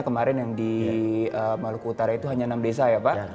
kemarin yang di maluku utara itu hanya enam desa ya pak